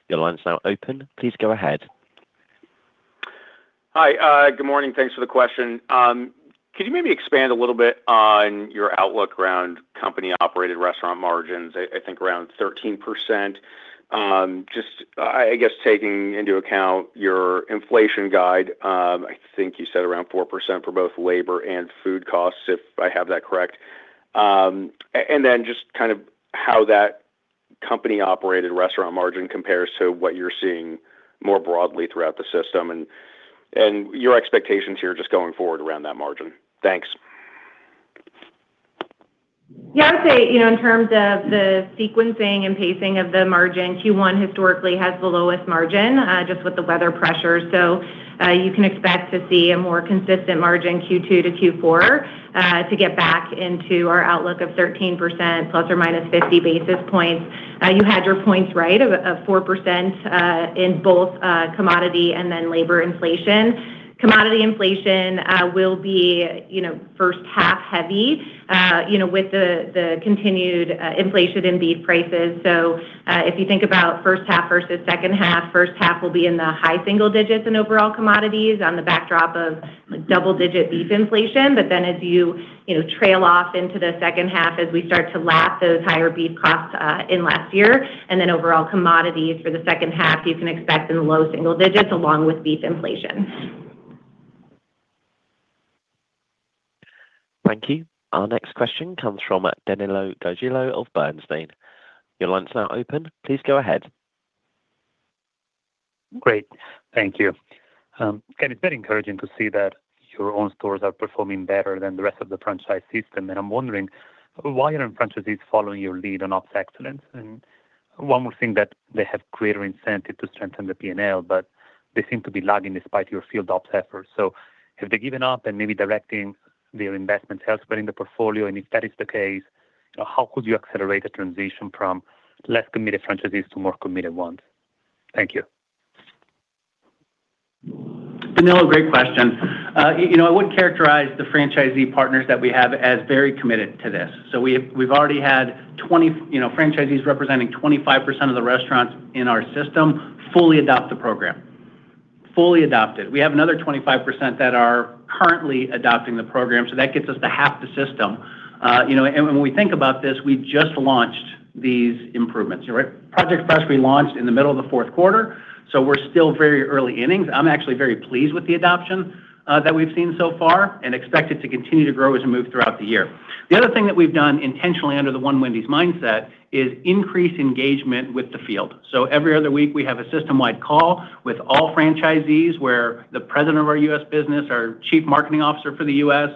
Your line is now open. Please go ahead. Hi. Good morning. Thanks for the question. Could you maybe expand a little bit on your outlook around company-operated restaurant margins, I think around 13%? Just, I guess taking into account your inflation guide, I think you said around 4% for both labor and food costs, if I have that correct. Then just kind of how that company-operated restaurant margin compares to what you're seeing more broadly throughout the system and your expectations here just going forward around that margin. Thanks. Yeah, I'd say, you know, in terms of the sequencing and pacing of the margin, Q1 historically has the lowest margin, just with the weather pressure. You can expect to see a more consistent margin Q2 to Q4, to get back into our outlook of 13% plus or minus 50 basis points. You had your points right of 4%, in both commodity and then labor inflation. Commodity inflation will be, you know, H1 heavy, you know, with the continued inflation in beef prices. If you think about H1 versus H2, H1 will be in the high single digits in overall commodities on the backdrop of double-digit beef inflation. As you know, trail off into the H2 as we start to lap those higher beef costs, in last year, and then overall commodities for the H2, you can expect in low single digits along with beef inflation. Thank you. Our next question comes from Danilo Gargiulo of Bernstein. Your line's now open. Please go ahead. Great. Thank you. Again, it's very encouraging to see that your own stores are performing better than the rest of the franchise system. I'm wondering why aren't franchisees following your lead on ops excellence? One would think that they have greater incentive to strengthen the P&L, but they seem to be lagging despite your field ops efforts. Have they given up and maybe directing their investments elsewhere in the portfolio? If that is the case, how could you accelerate the transition from less committed franchisees to more committed ones? Thank you. Danilo, great question. You know, I would characterize the franchisee partners that we have as very committed to this. We've already had franchisees representing 25% of the restaurants in our system fully adopt the program. Fully adopted. We have another 25% that are currently adopting the program, so that gets us to half the system. You know, when we think about this, we just launched these improvements. Right? Project Fresh, we launched in the middle of Q4, we're still very early innings. I'm actually very pleased with the adoption that we've seen so far and expect it to continue to grow as we move throughout the year. The other thing that we've done intentionally under the One Wendy's mindset is increase engagement with the field. Every other week, we have a system-wide call with all franchisees where the president of our U.S. business, our chief marketing officer for the U.S.,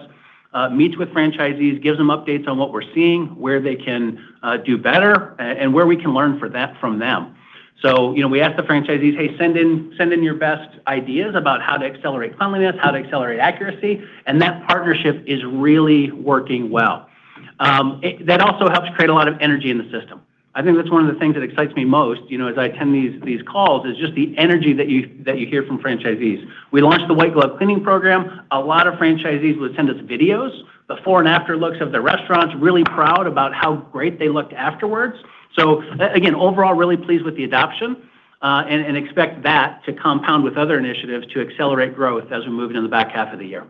meets with franchisees, gives them updates on what we're seeing, where they can do better, and where we can learn for that from them. You know, we ask the franchisees, Hey, send in your best ideas about how to accelerate cleanliness, how to accelerate accuracy, and that partnership is really working well. That also helps create a lot of energy in the system. I think that's one of the things that excites me most, you know, as I attend these calls, is just the energy that you hear from franchisees. We launched the White Glove Cleaning program. A lot of franchisees will send us videos, before-and-after looks of the restaurants, really proud about how great they looked afterwards. Again, overall, really pleased with the adoption, and expect that to compound with other initiatives to accelerate growth as we move into the back half of the year.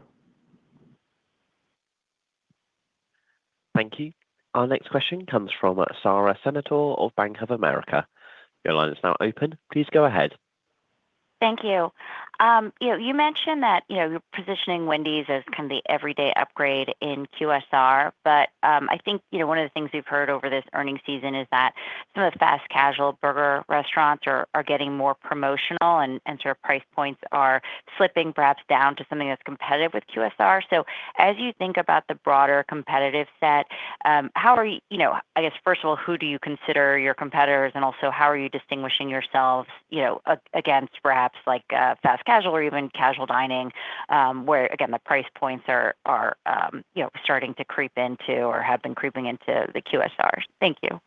Thank you. Our next question comes from Sara Senatore of Bank of America. Your line is now open. Please go ahead. Thank you. You know, you mentioned that, you know, you're positioning Wendy's as kind of the everyday upgrade in QSR, but, I think, you know, one of the things we've heard over this earnings season is that some of the fast casual burger restaurants are getting more promotional and sort of price points are slipping perhaps down to something that's competitive with QSR. As you think about the broader competitive set, how are you know, I guess, first of all, who do you consider your competitors? Also, how are you distinguishing yourselves, you know, against perhaps like, fast casual or even casual dining, where, again, the price points are, you know, starting to creep into or have been creeping into the QSRs? Thank you.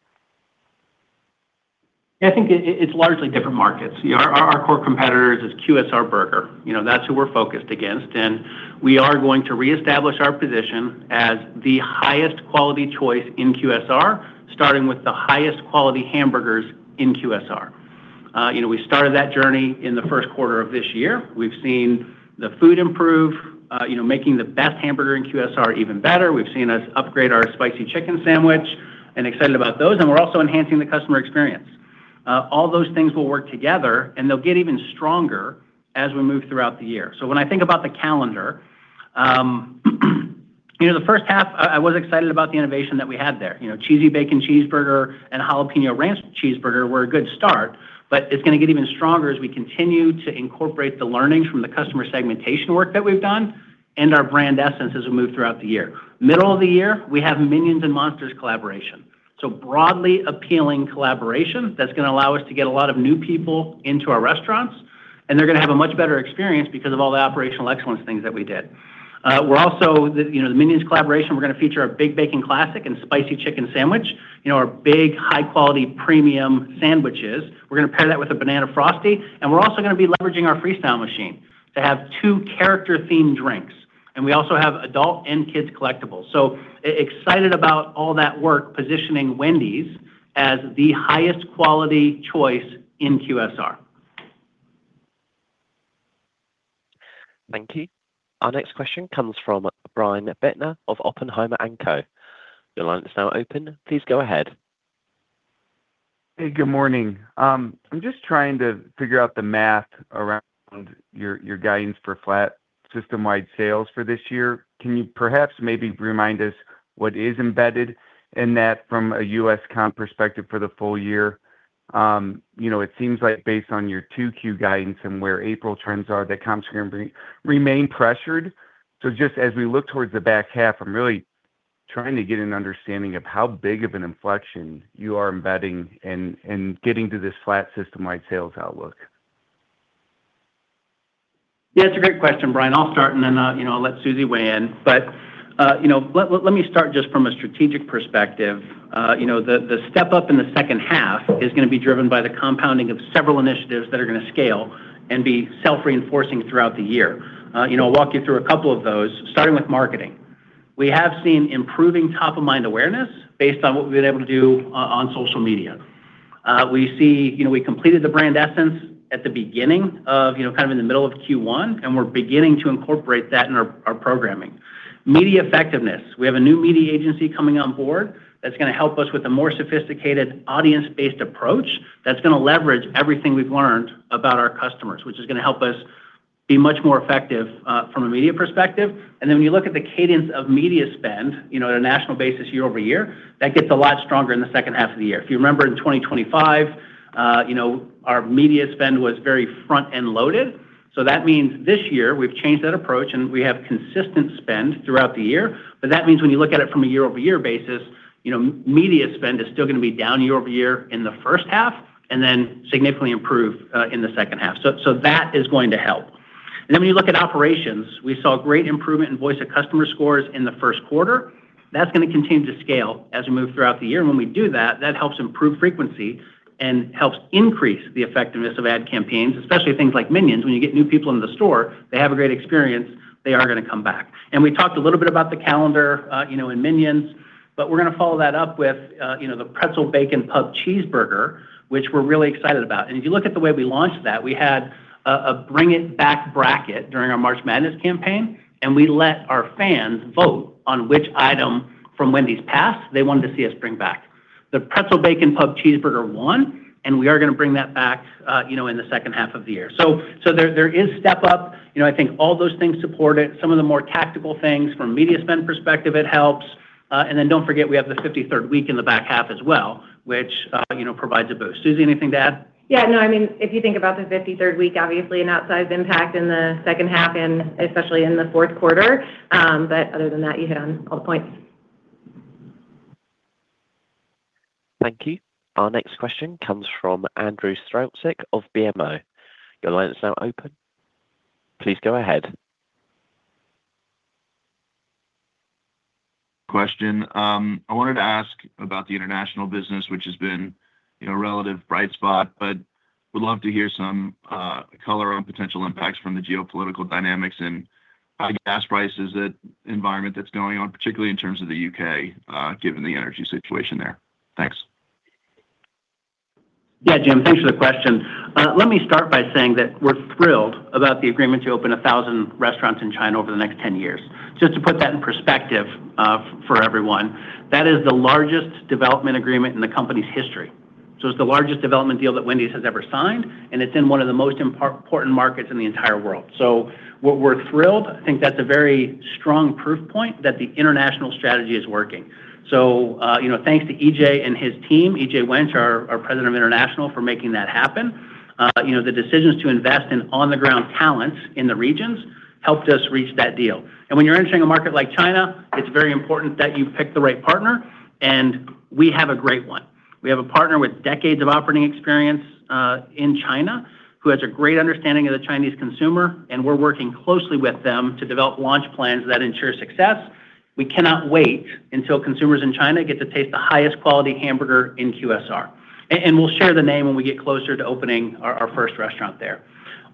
I think it's largely different markets. Our core competitor is QSR burger. You know, that's who we're focused against, and we are going to reestablish our position as the highest quality choice in QSR, starting with the highest quality hamburgers in QSR. You know, we started that journey in the Q1 of this year. We've seen the food improve, you know, making the best hamburger in QSR even better. We've seen us upgrade our Spicy Chicken Sandwich and excited about those, and we're also enhancing the customer experience. All those things will work together, and they'll get even stronger as we move throughout the year. When I think about the calendar, you know, the H1, I was excited about the innovation that we had there. You know, Cheesy Bacon Cheeseburger and Jalapeño Ranch Cheeseburger were a good start, but it's gonna get even stronger as we continue to incorporate the learnings from the customer segmentation work that we've done and our brand essence as we move throughout the year. Middle of the year, we have Minions & Monsters collaboration, so broadly appealing collaboration that's gonna allow us to get a lot of new people into our restaurants, and they're gonna have a much better experience because of all the operational excellence things that we did. We're also, you know, the Minions collaboration, we're gonna feature a Big Bacon Classic and Spicy Chicken Sandwich, you know, our big, high-quality, premium sandwiches. We're gonna pair that with a Banana Frosty, we're also gonna be leveraging our Freestyle machine to have two character-themed drinks, we also have adult and kids collectibles. Excited about all that work positioning Wendy's as the highest quality choice in QSR. Thank you. Our next question comes from Brian Bittner of Oppenheimer & Co. Your line is now open. Please go ahead. Hey, good morning. I'm just trying to figure out the math around your guidance for flat system-wide sales for this year. Can you perhaps maybe remind us what is embedded in that from a U.S. comp perspective for the full year? You know, it seems like based on your 2Q guidance and where April trends are, the comps are gonna remain pressured. Just as we look towards the back half, I'm really trying to get an understanding of how big of an inflection you are embedding in getting to this flat system-wide sales outlook. Yeah, it's a great question, Brian. I'll start, and then, you know, I'll let Suzie weigh in. You know, let me start just from a strategic perspective. You know, the step-up in the H2 is gonna be driven by the compounding of several initiatives that are gonna scale and be self-reinforcing throughout the year. You know, I'll walk you through a couple of those, starting with marketing. We have seen improving top-of-mind awareness based on what we've been able to do on social media. You know, we completed the brand essence at the beginning of, you know, kind of in the middle of Q1, and we're beginning to incorporate that in our programming. Media effectiveness. We have a new media agency coming on board that's gonna help us with a more sophisticated audience-based approach that's gonna leverage everything we've learned about our customers, which is gonna help us be much more effective from a media perspective. When you look at the cadence of media spend, you know, at a national basis year-over-year, that gets a lot stronger in the H2 of the year. If you remember in 2025, you know, our media spend was very front end loaded, that means this year we've changed that approach, we have consistent spend throughout the year. That means when you look at it from a year-over-year basis, you know, media spend is still gonna be down year-over-year in the H1 significantly improve in the H2. That is going to help. Then when you look at operations, we saw great improvement in voice of customer scores in the Q1. That's gonna continue to scale as we move throughout the year. When we do that helps improve frequency and helps increase the effectiveness of ad campaigns, especially things like Minions. When you get new people into the store, they have a great experience, they are gonna come back. We talked a little bit about the calendar, you know, in Minions, but we're gonna follow that up with, you know, the Pretzel Bacon Pub Cheeseburger, which we're really excited about. If you look at the way we launched that, we had a Bring It Back Bracket during our March Madness campaign, and we let our fans vote on which item from Wendy's past they wanted to see us bring back. The Pretzel Bacon Pub Cheeseburger won, and we are gonna bring that back, you know, in the H2 of the year. There is step up. You know, I think all those things support it. Some of the more tactical things from media spend perspective, it helps. Don't forget, we have the 53rd week in the back half as well, which, you know, provides a boost. Suzie, anything to add? Yeah, no, I mean, if you think about the 53rd week, obviously an outsized impact in the H2 and especially in the Q4. Other than that, you hit on all the points. Thank you. Our next question comes from Andrew Strelzik of BMO. Question. I wanted to ask about the international business, which has been, you know, relative bright spot, but would love to hear some color on potential impacts from the geopolitical dynamics and gas prices that environment that's going on, particularly in terms of the U.K., given the energy situation there. Thanks. Jim, thanks for the question. Let me start by saying that we're thrilled about the agreement to open 1,000 restaurants in China over the next 10 years. Just to put that in perspective, for everyone, that is the largest development agreement in the company's history. It's the largest development deal that Wendy's has ever signed, and it's in one of the most important markets in the entire world. We're thrilled. I think that's a very strong proof point that the international strategy is working. You know, thanks to EJ and his team, E.J. Wunsch, our President of International, for making that happen. You know, the decisions to invest in on the ground talent in the regions helped us reach that deal. When you're entering a market like China, it's very important that you pick the right partner, and we have a great one. We have a partner with decades of operating experience in China who has a great understanding of the Chinese consumer, and we're working closely with them to develop launch plans that ensure success. We cannot wait until consumers in China get to taste the highest quality hamburger in QSR. And we'll share the name when we get closer to opening our first restaurant there.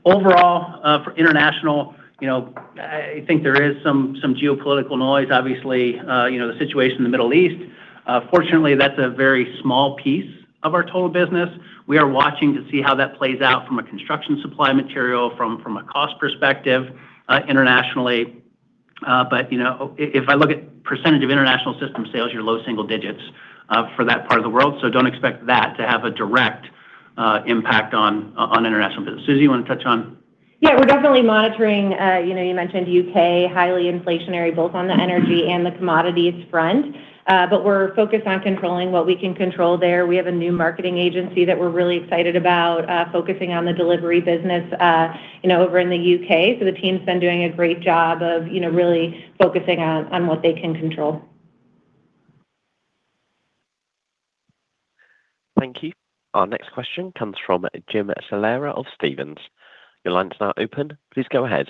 Overall, for international, you know, I think there is some geopolitical noise, obviously, you know, the situation in the Middle East. Fortunately, that's a very small piece of our total business. We are watching to see how that plays out from a construction supply material, from a cost perspective internationally. You know, if I look at percentage of international system sales, you're low single digits, for that part of the world, so don't expect that to have a direct impact on international business. Suzie, you wanna touch on? Yeah, we're definitely monitoring, you know, you mentioned U.K., highly inflationary both on the energy and the commodities front. We're focused on controlling what we can control there. We have a new marketing agency that we're really excited about, focusing on the delivery business, you know, over in the U.K. The team's been doing a great job of, you know, really focusing on what they can control. Thank you. Our next question comes from Jim Salera of Stephens. Your line is now open. Please go ahead.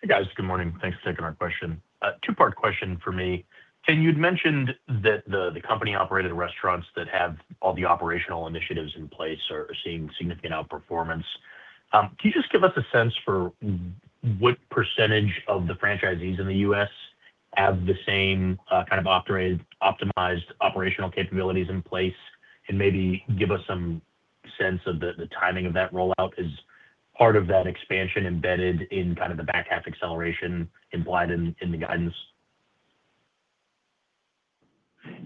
Hey, guys. Good morning. Thanks for taking our question. two-part question for me. Ken Cook, you'd mentioned that the company-operated restaurants that have all the operational initiatives in place are seeing significant outperformance. Can you just give us a sense for what percentage of the franchisees in the U.S. have the same kind of optimized operational capabilities in place, and maybe give us some sense of the timing of that rollout? Is part of that expansion embedded in kind of the back half acceleration implied in the guidance?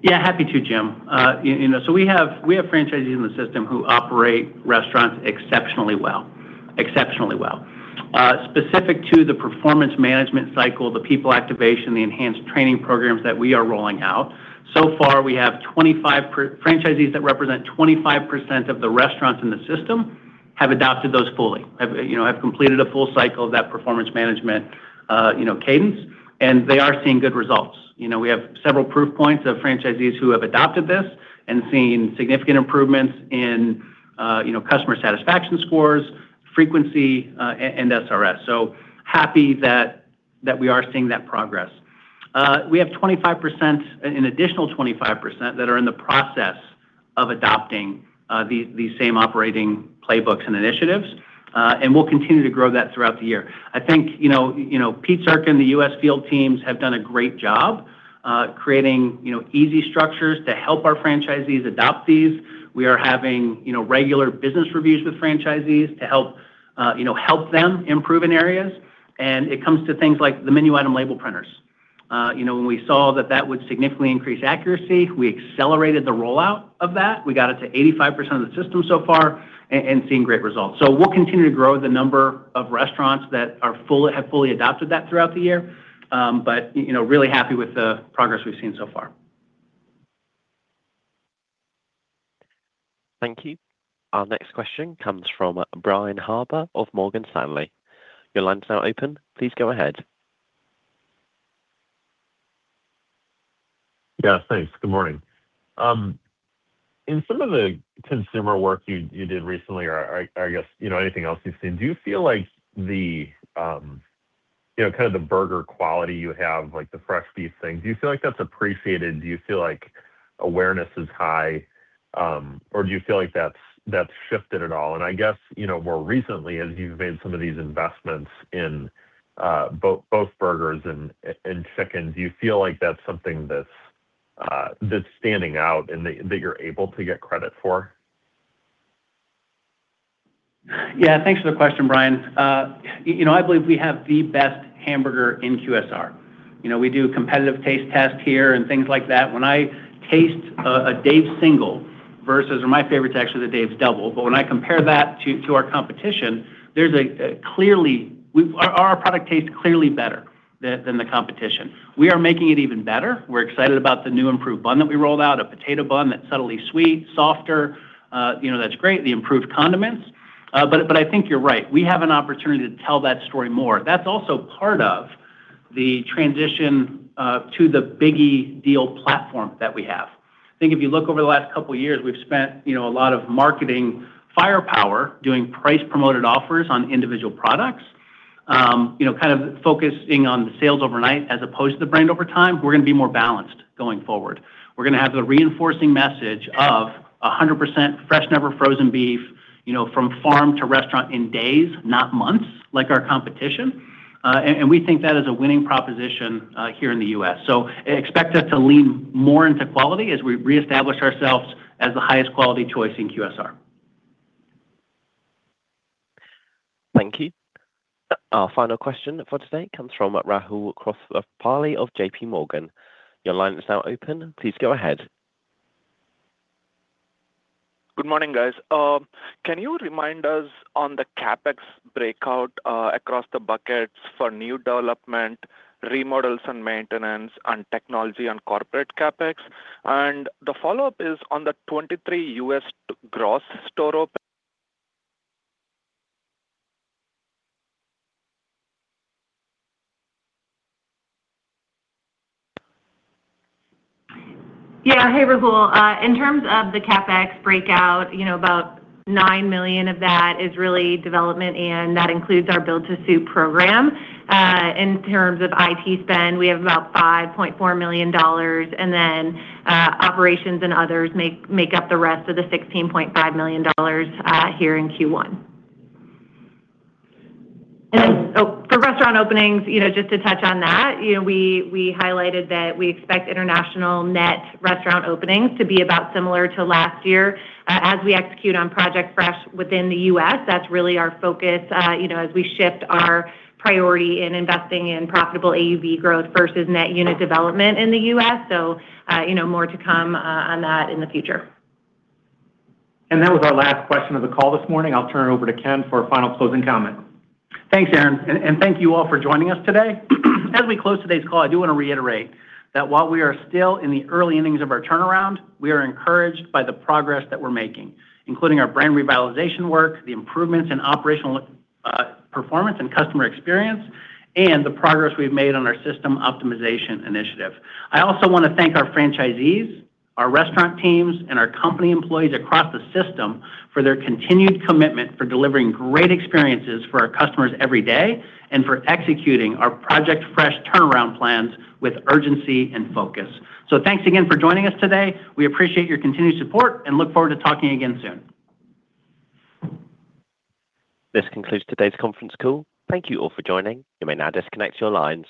Happy to, Jim. You know, we have franchisees in the system who operate restaurants exceptionally well, exceptionally well. Specific to the performance management cycle, the people activation, the enhanced training programs that we are rolling out, so far we have franchisees that represent 25% of the restaurants in the system have adopted those fully. Have, you know, completed a full cycle of that performance management, you know, cadence, they are seeing good results. You know, we have several proof points of franchisees who have adopted this and seen significant improvements in, you know, customer satisfaction scores, frequency, and SRS. Happy that we are seeing that progress. We have 25%, an additional 25%, that are in the process of adopting these same operating playbooks and initiatives. We'll continue to grow that throughout the year. I think, you know, Pete Zark and the U.S. field teams have done a great job, creating, you know, easy structures to help our franchisees adopt these. We are having, you know, regular business reviews with franchisees to help, you know, help them improve in areas. It comes to things like the menu item label printers. You know, when we saw that that would significantly increase accuracy, we accelerated the rollout of that. We got it to 85% of the system so far and seeing great results. We'll continue to grow the number of restaurants that have fully adopted that throughout the year. You know, really happy with the progress we've seen so far. Thank you. Our next question comes from Brian Harbour of Morgan Stanley. Your line's now open. Please go ahead. Yeah, thanks. Good morning. In some of the consumer work you did recently or I guess, you know, anything else you've seen, do you feel like the, you know, kind of the burger quality you have, like the fresh beef thing, do you feel like that's appreciated? Do you feel like awareness is high, or do you feel like that's shifted at all? I guess, you know, more recently, as you've made some of these investments in both burgers and chicken, do you feel like that's something that's standing out and that you're able to get credit for? Yeah. Thanks for the question, Brian. You know, I believe we have the best hamburger in QSR. You know, we do a competitive taste test here and things like that. When I taste a Dave's Single or my favorite's actually the Dave's Double, but when I compare that to our competition, our product tastes clearly better than the competition. We are making it even better. We're excited about the new improved bun that we rolled out, a potato bun that's subtly sweet, softer. You know, that's great, the improved condiments. I think you're right. We have an opportunity to tell that story more. That's also part of the transition to the Biggie Deals platform that we have. I think if you look over the last couple years, we've spent, you know, a lot of marketing firepower doing price-promoted offers on individual products. you know, kind of focusing on the sales overnight as opposed to the brand over time. We're gonna be more balanced going forward. We're gonna have the reinforcing message of 100% fresh, never frozen beef, you know, from farm to restaurant in days, not months like our competition. We think that is a winning proposition here in the U.S. Expect us to lean more into quality as we reestablish ourselves as the highest quality choice in QSR. Thank you. Our final question for today comes from Rahul Krotthapalli of JPMorgan. Your line is now open. Please go ahead. Good morning, guys. Can you remind us on the CapEx breakout, across the buckets for new development, remodels and maintenance, and technology and corporate CapEx? The follow-up is on the 23 U.S. gross store open. Yeah. Hey, Rahul. In terms of the CapEx breakout, you know, about $9 million of that is really development, and that includes our build to suit program. In terms of IT spend, we have about $5.4 million. Then, operations and others make up the rest of the $16.5 million here in Q1. For restaurant openings, you know, just to touch on that, you know, we highlighted that we expect international net restaurant openings to be about similar to last year. As we execute on Project Fresh within the U.S., that's really our focus, you know, as we shift our priority in investing in profitable AUV growth versus net unit development in the U.S. More to come on that in the future. That was our last question of the call this morning. I'll turn it over to Ken for a final closing comment. Thanks, Aaron. Thank you all for joining us today. As we close today's call, I do want to reiterate that while we are still in the early innings of our turnaround, we are encouraged by the progress that we're making, including our brand revitalization work, the improvements in operational performance and customer experience, and the progress we've made on our system optimization initiative. I also want to thank our franchisees, our restaurant teams, and our company employees across the system for their continued commitment for delivering great experiences for our customers every day and for executing our Project Fresh turnaround plans with urgency and focus. Thanks again for joining us today. We appreciate your continued support and look forward to talking again soon. This concludes today's conference call. Thank you all for joining. You may now disconnect your lines.